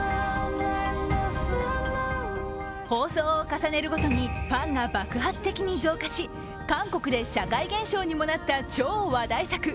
放送を重ねるごとにファンが爆発的に増加し韓国で社会現象にもなった超話題作。